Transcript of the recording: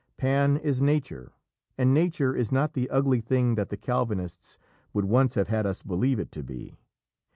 Pan is Nature, and Nature is not the ugly thing that the Calvinists would once have had us believe it to be.